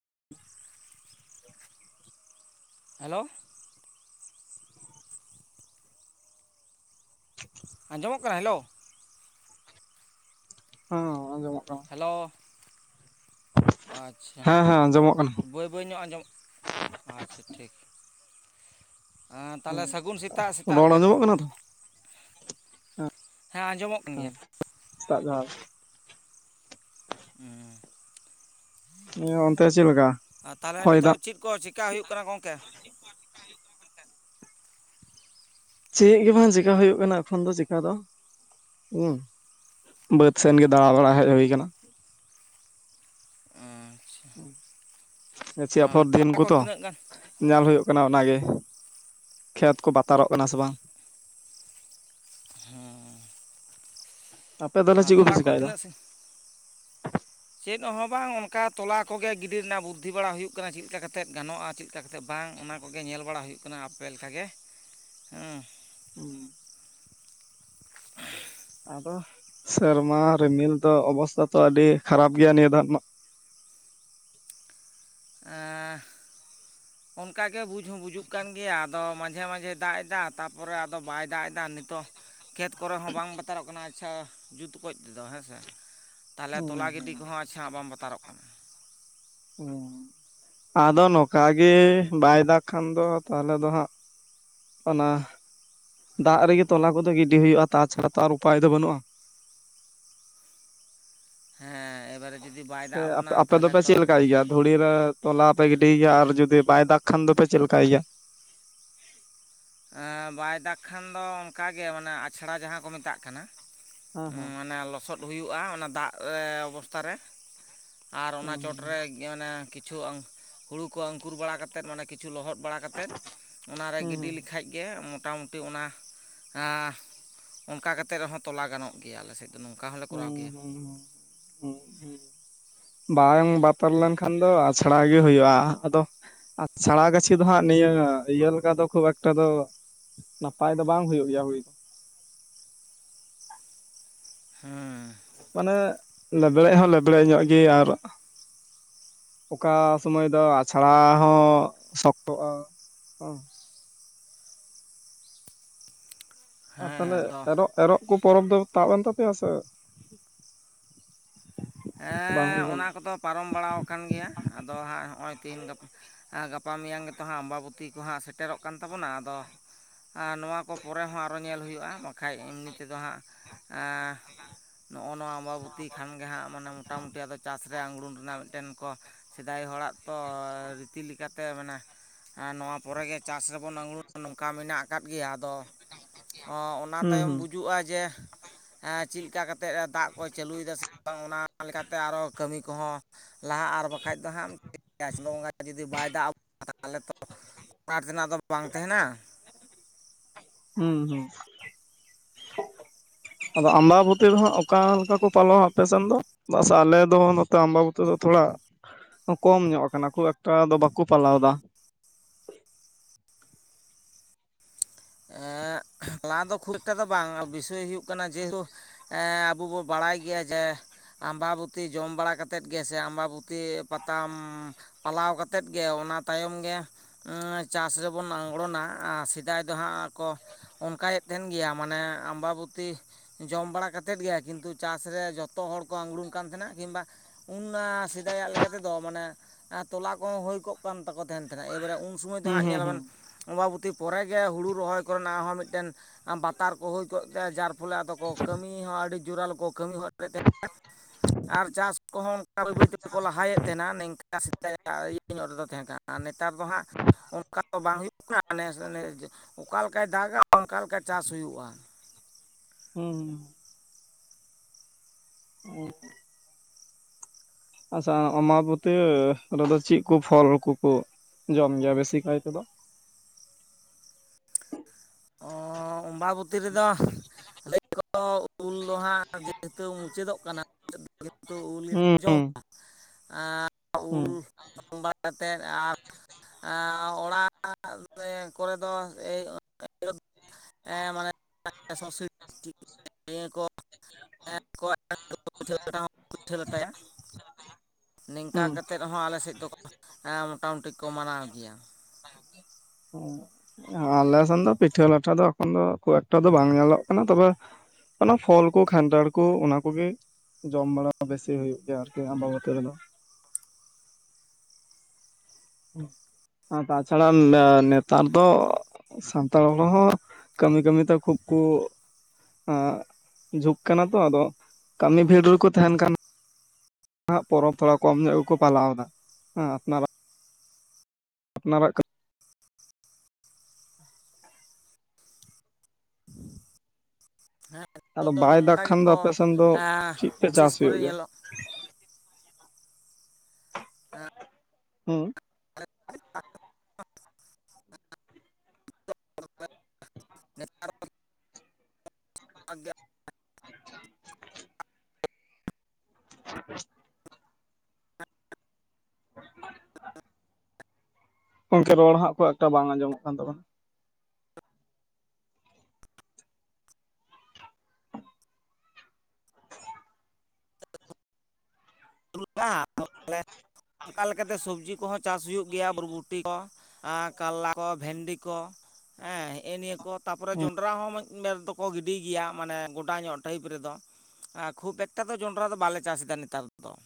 [unintelligible] [unintelligible] Hello ᱟᱸᱡᱚᱢᱚᱜ ᱠᱟᱱᱟ hello ᱦᱚᱸ ᱟᱸᱡᱚᱢᱚᱜ ᱠᱟᱱᱟ᱾ ᱦᱮᱞᱳ [unintelligible] ᱟᱪᱪᱷᱟ ᱦᱮᱸ ᱦᱮᱸ ᱟᱸᱡᱚᱢᱚᱜ ᱠᱟᱱᱟ ᱵᱟᱹᱭ ᱵᱟᱹᱭ ᱧᱚᱜ ᱟᱸᱡᱚᱢᱚᱜ ᱟᱪᱪᱷᱟ ᱴᱷᱤᱠ ᱛᱟᱦᱞᱮ ᱥᱟᱹᱜᱩᱱ ᱥᱮᱛᱟᱜ, ᱥᱮᱛᱟᱜ ᱨᱮᱜᱮ᱾ ᱚᱱᱟᱫᱚ ᱦᱮᱸ ᱟᱸᱡᱚᱢᱚᱜ [unintelligible] ᱥᱮᱛᱟᱜ ᱡᱚᱦᱟᱨ᱾ [unintelligible] ᱦᱩᱸ᱾ ᱚᱱᱛᱮ ᱪᱮᱫ ᱞᱮᱠᱟ? ᱟᱨ ᱛᱟᱦᱚᱞᱮ ᱦᱚᱭ ᱱᱤᱛᱚᱜ ᱫᱟᱜ? ᱪᱮᱫ ᱠᱚ ᱪᱮᱠᱟ ᱦᱩᱭᱩᱜ ᱠᱟᱱᱟ ᱜᱚᱝᱠᱮ? ᱪᱮᱫ ᱜᱮ ᱵᱟᱝ ᱪᱮᱠᱟ ᱦᱩᱭᱩᱜ ᱠᱟᱱᱟ᱾ ᱮᱠᱷᱚᱱ ᱫᱚ ᱪᱮᱠᱟ ᱫᱚ ᱦᱩᱸ ᱵᱟᱹᱫᱽ ᱥᱮᱱ ᱜᱮ ᱫᱟᱬᱟ ᱵᱟᱲᱟ ᱦᱮᱡ ᱦᱩᱭ ᱟᱠᱟᱱᱟ᱾ ᱟᱪᱪᱷᱟ ᱜᱟᱪᱷᱤ ᱟᱯᱷᱚᱨ ᱫᱤᱱ ᱛᱚᱞᱟ ᱠᱚ ᱛᱚ᱾ ᱛᱤᱱᱟᱹᱜ ᱜᱟᱱ ᱧᱮᱞ ᱦᱩᱭᱩᱜ ᱠᱟᱱᱟ ᱚᱱᱟᱜ ᱜᱮ ᱠᱷᱮᱛ ᱠᱚ ᱵᱟᱛᱟᱨᱚᱜ ᱠᱟᱱᱟ ᱥᱮ ᱵᱟᱝ᱾ ᱦᱮᱸ᱾ ᱟᱯᱮ ᱛᱟᱦᱚᱞ ᱪᱮᱫ ᱠᱚᱯᱮ ᱪᱤᱠᱟᱭᱮᱫᱟ? [unintelligible] ᱪᱮᱫ ᱦᱚᱸ ᱵᱟᱝ ᱚᱱᱠᱟ ᱛᱚᱞᱟ ᱠᱚᱜᱮ ᱜᱤᱰᱤ ᱨᱮᱱᱟᱜ ᱵᱩᱫᱽᱫᱷᱤ ᱵᱟᱲᱟ ᱦᱩᱭᱩᱜ ᱠᱟᱱᱟ ᱪᱮᱫ ᱞᱮᱠᱟ ᱠᱟᱛᱮᱫ ᱜᱟᱱᱚᱜᱼᱟ ᱪᱮᱫ ᱪᱮᱫᱠᱟ ᱠᱟᱛᱮᱫ ᱵᱟᱝ ᱚᱱᱟ ᱠᱚᱜᱮ ᱧᱮᱞ ᱵᱟᱲᱟ ᱦᱩᱭᱩᱜ ᱠᱟᱱᱟ ᱟᱯᱮ ᱞᱮᱠᱟ ᱜᱮ ᱦᱩᱸ᱾ ᱟᱫᱚ ᱥᱮᱨᱢᱟ ᱨᱤᱢᱤᱞ ᱫᱚ ᱚᱵᱚᱥᱛᱷᱟ ᱛᱚ ᱟᱹᱰᱤ ᱠᱷᱟᱨᱟᱯ ᱜᱮᱭᱟ ᱱᱤᱭᱟᱹ ᱫᱷᱟᱣ ᱨᱮᱱᱟᱜ [unintelligible] ᱚᱱᱠᱟᱜᱮ ᱵᱩᱡᱽ ᱦᱚᱸ ᱵᱩᱡᱩᱜ ᱠᱟᱱ ᱜᱮᱭᱟ ᱟᱫᱚ ᱢᱟᱡᱷᱮ ᱢᱟᱡᱷᱮᱭ ᱫᱟᱜ ᱮᱫᱟ ᱛᱟᱨᱯᱚᱨᱮ ᱟᱫᱚ ᱵᱟᱭ ᱫᱟᱜ ᱮᱫᱟ᱾ ᱱᱤᱛᱚᱜ ᱠᱷᱮᱛ ᱠᱚᱨᱮ ᱦᱚᱸ ᱵᱟᱝ ᱵᱟᱛᱟᱨᱚᱜ ᱠᱟᱱᱟ ᱟᱪᱪᱷᱟ ᱡᱩᱛᱚᱠᱚᱡ ᱛᱮᱫᱚ ᱦᱮᱸᱥᱮ ᱛᱟᱦᱚᱞᱮ ᱛᱚᱞᱟ ᱦᱩᱸ ᱜᱤᱰᱤ ᱦᱩᱸ ᱠᱚᱦᱚᱸ ᱟᱪᱪᱷᱟ ᱵᱟᱝ ᱵᱟᱛᱟᱨᱚᱜ ᱠᱟᱱᱟ᱾ ᱟᱫᱚ ᱱᱚᱝᱠᱟ ᱜᱮ ᱵᱟᱭ ᱫᱟᱜ ᱠᱷᱟᱱ ᱫᱚ ᱛᱟᱦᱚᱞᱮ ᱫᱚ ᱦᱟᱸᱜ ᱚᱱᱟ ᱫᱟᱜ ᱨᱮᱜᱮ ᱛᱚᱞᱟ ᱠᱚᱫᱚ ᱜᱤᱰᱤ ᱦᱩᱭᱩᱜᱼᱟ ᱛᱟᱪᱷᱟᱲᱟ ᱛᱚ ᱟᱨ ᱩᱯᱟᱭ ᱫᱚ ᱵᱟᱹᱱᱩᱜᱼᱟ᱾ ᱦᱮᱸ᱾ ᱮᱵᱟᱨᱮ ᱡᱩᱫᱤ ᱵᱟᱭ ᱫᱟᱜ ᱟᱵᱚᱱᱟ ᱟᱯᱮ ᱫᱚ ᱛᱟᱦᱚᱞᱮ ᱯᱮ ᱛᱚ ᱪᱮᱫ ᱞᱮᱠᱟᱭ ᱜᱮᱭᱟ? ᱫᱷᱩᱲᱤ ᱨᱮ ᱛᱚᱞᱟ ᱯᱮ ᱜᱤᱰᱤᱭ ᱜᱮᱭᱟ ᱟᱨ ᱡᱩᱫᱤ ᱵᱟᱭ ᱫᱟᱜᱽ ᱠᱷᱟᱱ ᱫᱚᱯᱮ ᱪᱮᱫ ᱞᱮᱠᱟᱭ ᱜᱮᱭᱟ? ᱵᱟᱭ ᱫᱟᱜᱽ ᱠᱷᱟᱱ ᱫᱚ ᱚᱱᱠᱟ ᱜᱮ ᱢᱟᱱᱮ ᱟᱪᱷᱲᱟ ᱡᱟᱦᱟᱸ ᱠᱚ ᱢᱮᱛᱟᱜ ᱠᱟᱱᱟ [unintelligible] ᱦᱮᱸ ᱢᱟᱱᱮ ᱞᱚᱥᱚᱫ ᱦᱩᱭᱩᱜᱼᱟ ᱚᱱᱟ ᱫᱟᱜ ᱨᱮ ᱵᱚᱥᱛᱷᱟ ᱨᱮ᱾ ᱟᱨ ᱚᱱᱟ ᱦᱮᱸ ᱪᱚᱴᱨᱮ ᱢᱟᱱᱮ ᱠᱤᱪᱷᱩ ᱦᱩᱲᱩ ᱠᱚ ᱟᱹᱝᱠᱩᱨ ᱵᱟᱲᱟ ᱠᱟᱛᱮᱫ ᱢᱟᱱᱮ ᱠᱤᱪᱷᱩ ᱞᱚᱦᱚᱫ ᱵᱟᱲᱟ ᱠᱟᱛᱮᱫ ᱚᱱᱟ ᱨᱮ ᱦᱩᱸ ᱜᱤᱰᱤᱼᱼ ᱞᱮᱠᱷᱟᱡ ᱜᱮ ᱢᱚᱴᱟᱢᱩᱴᱤ ᱚᱱᱟ ᱚᱱᱠᱟ ᱠᱟᱛᱮᱫ ᱨᱮᱦᱚᱸ ᱛᱚᱞᱟ ᱜᱟᱱᱚᱜ ᱜᱮᱭᱟ ᱟᱞᱮ ᱥᱮᱫ ᱫᱚ ᱱᱚᱝᱠᱟ ᱦᱚᱸᱞᱮ ᱦᱩᱸ ᱠᱚᱨᱟᱣ ᱦᱩᱸ ᱦᱩᱸ ᱜᱮᱭᱟ᱾ ᱦᱩᱸ ᱦᱩᱸ ᱵᱟᱝ ᱵᱟᱛᱟᱨ ᱞᱮᱱᱠᱷᱟᱱ ᱫᱚ ᱟᱪᱷᱲᱟ ᱜᱮ ᱦᱩᱭᱩᱜᱼᱟ ᱾ ᱟᱫᱚ ᱟᱪᱷᱟᱲᱟ ᱜᱟᱹᱪᱷᱤ ᱫᱚ ᱦᱟᱸᱜ ᱱᱤᱭᱟᱹ ᱤᱭᱟᱹ ᱞᱮᱠᱟ ᱫᱚ ᱠᱷᱩᱵ ᱮᱠᱴᱟ ᱫᱚ ᱱᱟᱯᱟᱭ ᱫᱚ ᱵᱟᱝ ᱦᱩᱭᱩᱜ ᱜᱮᱭᱟ ᱦᱩᱭ ᱫᱚ᱾ ᱦᱮᱸ᱾ ᱢᱟᱱᱮ ᱞᱮᱵᱲᱮᱡ ᱦᱚᱸ ᱞᱮᱵᱲᱮᱡ ᱧᱚᱜ ᱜᱮ ᱟᱨ ᱚᱠᱟ ᱥᱚᱢᱚᱭ ᱫᱚ ᱟᱪᱷᱲᱟ ᱦᱚᱸ ᱥᱚᱠᱛᱚᱜᱼᱟ ᱾ ᱦᱮᱸ ᱟᱨ ᱦᱮᱸ ᱛᱟᱦᱚᱞᱮ ᱟᱫᱚ ᱟᱯᱮ ᱫᱚ? ᱮᱨᱚᱜ ᱠᱚ ᱯᱚᱨᱚᱵᱽ ᱫᱚ ᱛᱟᱵ ᱮᱱ ᱛᱟᱯᱮᱭᱟ ᱥᱮ ᱵᱟᱝ ᱦᱮᱸ ᱦᱩᱭ ᱠᱟᱱᱟ? ᱚᱱᱟ ᱠᱚᱫᱚ ᱯᱟᱨᱚᱢ ᱵᱟᱲᱟ ᱟᱠᱟᱱ ᱜᱮᱭᱟ ᱟᱫᱚ ᱦᱟᱸᱜ ᱱᱚᱜᱼᱚᱭ ᱛᱤᱦᱤᱧ ᱜᱟᱯᱟ ᱜᱟᱯᱟ ᱢᱮᱭᱟᱝ ᱜᱮᱛᱚ ᱦᱟᱸᱜ ᱟᱢᱵᱟᱵᱚᱛᱤ ᱠᱚᱦᱟᱸᱜ ᱥᱮᱴᱮᱨᱚᱜ ᱠᱟᱱ ᱛᱟᱵᱚᱱᱟ ᱟᱫᱚ, ᱟᱨ ᱱᱚᱣᱟ ᱠᱚ ᱯᱚᱨᱮ ᱦᱚᱸ ᱟᱨᱚ ᱧᱮᱞ ᱦᱩᱭᱩᱜᱼᱟ ᱵᱟᱠᱷᱟᱡ ᱮᱢᱱᱤ ᱛᱮᱫᱚ ᱦᱟᱸᱜ ᱱᱚᱜᱼᱚ ᱱᱚᱣᱟ ᱟᱢᱵᱟᱵᱚᱛᱤ ᱠᱷᱟᱱ ᱜᱮᱦᱟᱸᱜ ᱢᱟᱱᱮ ᱢᱚᱴᱟᱢᱩᱴᱤ ᱟᱫᱚ ᱪᱟᱥ ᱨᱮ ᱟᱝᱜᱲᱩᱱ ᱨᱮᱱᱟᱜ ᱢᱤᱫᱴᱮᱱ ᱠᱚ ᱥᱮᱫᱟᱭ ᱦᱚᱲᱟᱜ ᱛᱚ ᱨᱤᱛᱤ ᱞᱮᱠᱟᱛᱮ ᱢᱟᱱᱮ ᱱᱚᱣᱟ ᱯᱚᱨᱮᱜᱮ ᱪᱟᱥ ᱨᱮᱵᱚᱱ ᱟᱝᱲᱩᱱ ᱱᱚᱝᱠᱟ ᱢᱮᱱᱟᱜ ᱟᱠᱟᱫ ᱜᱮᱭᱟ ᱾ ᱟᱫᱚ, ᱚᱱᱟ ᱦᱩᱸ ᱛᱟᱭᱚᱢ ᱦᱩᱸ ᱵᱩᱡᱩᱜᱼᱟ ᱡᱮ, ᱪᱮᱫ ᱞᱮᱠᱟ ᱠᱟᱛᱮᱫ ᱫᱟᱜ ᱠᱚ ᱪᱟᱹᱞᱩᱭᱮᱫᱟ ᱥᱮ ᱵᱟᱝ ᱚᱱᱟ ᱞᱮᱠᱟᱛᱮ ᱟᱨᱚ ᱠᱟᱹᱢᱤ ᱠᱚᱦᱚᱸ ᱞᱟᱦᱟ ᱟᱨ ᱵᱟᱠᱷᱟᱡ ᱫᱚ ᱦᱟᱸᱜ ᱪᱟᱥ ᱵᱚᱸᱜᱟ ᱡᱩᱫᱤ ᱵᱟᱭ ᱫᱟᱜ ᱟᱵᱚ ᱛᱟᱦᱚᱞᱮ ᱛᱚ ᱚᱱᱟᱴ ᱛᱮᱱᱟᱜ ᱫᱚ ᱵᱟᱝ ᱛᱟᱦᱮᱱᱟ᱾ ᱦᱩᱸ ᱦᱩᱸ ᱟᱫᱚ ᱟᱢᱵᱟᱵᱩᱛᱤ ᱫᱚᱦᱟᱸᱜ ᱚᱠᱟ ᱞᱮᱠᱟ ᱠᱚ ᱯᱟᱞᱚᱣᱟ ᱟᱯᱮ ᱥᱮᱱ ᱫᱚ? ᱵᱟᱥ ᱟᱞᱮ ᱫᱚ ᱱᱚᱛᱮ ᱟᱢᱵᱟᱵᱩᱛᱤ ᱫᱚ ᱛᱷᱚᱲᱟ, ᱠᱚᱢ ᱧᱚᱜ ᱟᱠᱟᱱᱟ ᱠᱷᱩᱵ ᱮᱠᱴᱟ ᱫᱚ ᱵᱟᱠᱚ ᱯᱟᱞᱟᱣ ᱮᱫᱟ᱾ ᱮ ᱞᱟᱦᱟ ᱫᱚ ᱠᱷᱩᱵ ᱮᱠᱴᱟ ᱫᱚ ᱵᱟᱝ ᱵᱤᱥᱚᱭ ᱦᱩᱭᱩᱜ ᱠᱟᱱᱟ ᱡᱮᱦᱮᱛᱩ ᱟᱵᱚ ᱵᱚᱱ ᱵᱟᱲᱟᱭ ᱜᱮᱭᱟ ᱡᱮ, ᱟᱢᱵᱟᱵᱩᱛᱤ ᱡᱚᱢ ᱵᱟᱲᱟ ᱠᱟᱛᱮᱫ ᱜᱮᱥᱮ ᱟᱢᱵᱟᱵᱩᱛᱤ ᱯᱟᱛᱟᱢ ᱯᱟᱞᱟᱣ ᱠᱟᱛᱮᱫ ᱜᱮ ᱚᱱᱟ ᱛᱟᱭᱚᱢ ᱜᱮ ᱪᱟᱥ ᱨᱮᱵᱚᱱ ᱟᱲᱜᱚᱱᱟ ᱾ ᱟᱨ ᱥᱮᱫᱟᱭ ᱫᱚ ᱦᱟᱸᱜ ᱠᱚ ᱚᱱᱠᱟᱭᱮᱫ ᱛᱟᱦᱮᱱ ᱜᱮᱭᱟ, ᱢᱟᱱᱮ ᱟᱢᱵᱟᱵᱚᱛᱤ ᱡᱚᱢ ᱵᱟᱲᱟ ᱠᱟᱛᱮᱫ ᱜᱮ ᱠᱤᱱᱛᱩ ᱪᱟᱥ ᱨᱮ ᱡᱷᱚᱛᱚ ᱦᱚᱲ ᱠᱚ ᱟᱝᱜᱲᱩᱱ ᱠᱟᱱ ᱛᱟᱸᱦᱮᱱᱟ, ᱠᱤᱝᱵᱟ ᱩᱱ ᱥᱮᱫᱟᱭᱟᱜ ᱞᱮᱠᱟ ᱛᱮᱫᱚ ᱢᱟᱱᱮ ᱛᱚᱞᱟ ᱠᱚᱦᱚᱸ ᱦᱩᱭ ᱠᱚᱜ ᱠᱟᱱ ᱛᱟᱠᱚ ᱛᱟᱦᱮᱱᱱᱟ᱾ ᱮᱵᱟᱨᱮ ᱩᱱ ᱥᱚᱢᱚᱭ ᱫᱚ ᱦᱩᱸ ᱦᱟᱸᱜ ᱦᱩᱸ ᱧᱮᱞ ᱟᱵᱮᱱ ᱦᱩᱸ ᱟᱢᱵᱟᱵᱚᱛᱤ ᱯᱮᱨᱮ ᱜᱮ ᱜᱮ ᱦᱩᱲᱩ ᱨᱚᱦᱚᱭ ᱠᱚᱨᱮᱱᱟᱜ ᱦᱚᱸ ᱢᱤᱫᱴᱮᱱ ᱵᱟᱛᱟᱨ ᱠᱚ ᱦᱩᱭ ᱠᱚᱜ ᱛᱮ ᱡᱟᱨ ᱯᱷᱚᱞᱮ ᱠᱚ ᱠᱟᱹᱢᱤ ᱦᱚᱸ ᱟᱹᱰᱤ ᱡᱳᱨᱟᱞᱚ ᱠᱚ ᱠᱟᱹᱢᱤ ᱦᱚᱫ ᱠᱮᱫ ᱛᱮ ᱟᱨ ᱪᱟᱥ ᱠᱚᱦᱚᱸ [inaudible] ᱵᱟᱹᱭ ᱵᱟᱹᱭ ᱛᱮ ᱛᱮᱠᱚ ᱞᱟᱦᱟᱭᱮᱫ ᱛᱟᱦᱮᱱᱟ ᱱᱤᱝᱠᱟ ᱥᱮᱫᱟᱭᱟᱜ ᱤᱭᱟᱹ ᱧᱚᱜ ᱨᱮᱫᱚ ᱛᱟᱦᱮᱸ ᱠᱟᱱᱟ᱾ ᱟᱨ ᱱᱮᱛᱟᱨ ᱫᱚ ᱦᱟᱸᱜ ᱚᱱᱠᱟ ᱫᱚ ᱵᱟᱝ ᱦᱩᱭᱩᱜ ᱠᱟᱱᱟ, ᱵᱮᱥ ᱚᱱᱮ ᱚᱠᱟ ᱞᱮᱠᱟᱭ ᱫᱟᱜᱟ ᱚᱱᱠᱟ ᱞᱮᱠᱟ ᱪᱟᱥ ᱦᱩᱭᱩᱜᱼᱟ᱾ ᱦᱩᱸ [inaudible] ᱟᱪᱪᱷᱟ, ᱚᱱᱟᱵᱚᱛᱤ ᱨᱮᱫᱚ ᱪᱮᱫ ᱠᱚ ᱯᱷᱚᱞ ᱠᱚᱠᱚ ᱡᱚᱢ ᱜᱮᱭᱟ ᱵᱮᱥᱤᱠᱟᱭ ᱛᱮᱫᱚ? ᱚ ᱚᱢᱵᱟᱵᱚᱛᱤ ᱨᱮᱫᱚ ᱞᱟᱹᱭ ᱟᱠᱚ ᱩᱞ ᱫᱚ ᱦᱟᱸᱜ ᱡᱮᱦᱮᱛᱩ ᱢᱩᱪᱟᱹᱫᱚᱜ ᱠᱟᱱᱟ᱾ ᱩᱞ ᱜᱮᱠᱚ ᱦᱩᱸ ᱡᱚᱢᱟ ᱟ ᱩᱞ ᱦᱩᱸ ᱡᱚᱢ ᱵᱟᱲᱟ ᱠᱟᱛᱮᱫ ᱟᱨ᱾ ᱮᱸ ᱟᱸ ᱚᱲᱟᱜ [inaudible] ᱠᱚᱨᱮ ᱫᱚ ᱮᱭᱼᱼ [unintelligible] ᱠᱚ᱾ [unintelligible] ᱱᱤᱝᱠᱟ ᱦᱩᱸ ᱠᱟᱛᱮᱫ ᱨᱮᱦᱚᱸ ᱟᱞᱮᱥᱮᱫ ᱫᱚ ᱮᱸ ᱢᱚᱴᱟᱢᱩᱴᱤ ᱠᱚ ᱢᱟᱱᱟᱣ ᱜᱮᱭᱟ᱾ ᱟᱞᱮ ᱥᱮᱱ ᱫᱚ ᱯᱤᱴᱷᱟᱹ ᱞᱟᱴᱷᱟ ᱫᱚ ᱮᱠᱷᱚᱱ ᱫᱚ ᱠᱷᱩᱵ ᱮᱠᱴᱟ ᱫᱚ ᱵᱟᱝ ᱧᱮᱞᱚᱜ ᱠᱟᱱᱟ ᱛᱚᱵᱮ ᱚᱱᱟ ᱯᱷᱚᱞ ᱠᱚ ᱠᱷᱟᱱᱴᱟᱲ ᱠᱚ ᱚᱱᱟ ᱠᱚᱜᱮ᱾ ᱡᱚᱢ ᱵᱟᱲᱟ ᱵᱮᱥᱤ ᱦᱩᱭᱩᱜ ᱜᱮᱭᱟ ᱟᱨᱠᱤ ᱟᱢᱵᱟᱵᱚᱛᱤ ᱨᱮᱫᱚ᱾ ᱟ ᱛᱟᱪᱷᱟᱲᱟ ᱱᱮ ᱱᱮᱛᱟᱨ ᱫᱚ᱾ ᱥᱟᱱᱛᱟᱲ ᱦᱚᱲᱦᱚᱸ ᱠᱟᱹᱢᱤ ᱠᱟᱹᱢᱤᱛᱮ ᱠᱷᱩᱵ ᱠᱩ ᱟ ᱡᱷᱩᱠ ᱠᱟᱱᱟ ᱛᱚ ᱟᱫᱚ ᱠᱟᱹᱢᱤ ᱵᱷᱤᱲ ᱨᱮᱠᱚ ᱛᱟᱦᱮᱱ ᱠᱟᱱ᱾ ᱦᱟᱜ ᱯᱚᱨᱚᱵᱽ ᱛᱷᱚᱲᱟ ᱠᱚᱢ ᱧᱚᱜ ᱜᱮᱠᱚ ᱯᱟᱞᱟᱣ ᱫᱟ ᱦᱮᱸ ᱟᱯᱱᱟᱨᱟᱜ᱾ ᱟᱯᱱᱟᱨᱟᱜ ᱦᱮᱸ ᱟᱫᱚ ᱱᱤᱛᱚᱜ ᱫᱚ ᱵᱟᱭ ᱫᱟᱜ ᱱᱚᱝᱠᱟ ᱠᱷᱟᱱ ᱫᱚ ᱜᱮᱠᱚ ᱟᱯᱮ ᱥᱮᱱ ᱫᱚ ᱮᱸ ᱪᱮᱫ ᱛᱮ ᱵᱤᱥᱮᱥ ᱪᱟᱥ ᱠᱚᱨᱮ ᱦᱩᱭᱩᱜ ᱜᱮᱭᱟ ᱧᱮᱞᱚᱜᱼᱼ ᱦᱩᱸ [unintelligible] [unintelligible] [inaudible] [inaudible] ᱜᱚᱢᱠᱮ ᱨᱚᱲ ᱦᱟᱸᱜ ᱠᱷᱩᱵ ᱮᱠᱴᱟ ᱵᱟᱝ ᱟᱸᱡᱚᱢᱚᱜ ᱠᱟᱱ ᱛᱟᱵᱚᱱᱟ ᱾ [unintelligible] ᱚᱱᱠᱟ ᱞᱮᱠᱟᱛᱮ ᱥᱚᱵᱽᱡᱤ ᱠᱚᱦᱚᱸ ᱪᱟᱥ ᱦᱩᱭᱩᱜ ᱜᱮᱭᱟ ᱵᱚᱨᱵᱩᱴᱤ ᱠᱚ ᱟᱸ ᱠᱟᱞᱞᱟ ᱠᱚ ᱵᱷᱮᱱᱰᱤ ᱠᱚ ᱦᱮᱸ ᱦᱜᱸᱼᱮ ᱱᱤᱭᱟᱹ ᱠᱚ ᱛᱟᱨᱯᱚᱨᱮ ᱡᱚᱱᱰᱚᱨᱟ ᱦᱚᱸ ᱢᱚᱡᱼᱼ ᱵᱮᱨ ᱫᱚᱠᱚ ᱜᱤᱰᱤᱭ ᱜᱮᱭᱟ ᱢᱟᱱᱮ ᱜᱚᱰᱟ ᱧᱚᱜ ᱴᱟᱭᱤᱯ ᱨᱮᱫᱚ ᱾ ᱟᱸ ᱠᱷᱩᱵ ᱮᱠᱴᱟ ᱫᱚ ᱡᱚᱱᱰᱚᱨᱟ ᱫᱚ ᱵᱟᱞᱮ ᱪᱟᱥ ᱮᱫᱟ ᱱᱮᱛᱟᱨ ᱫᱚ ᱾